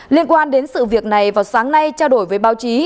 liên quan đến sự việc này vào sáng nay trao đổi với báo chí